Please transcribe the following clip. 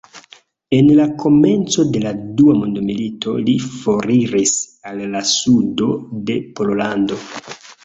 En la komenco de la Dua mondmilito li foriris al la sudo de Pollando.